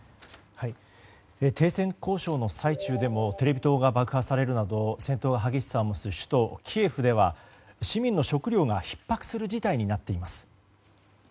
停戦交渉の最中でもテレビ塔が爆破されるなど戦闘が激しさを増す首都キエフでは市民の食料がひっ迫する事態になっています。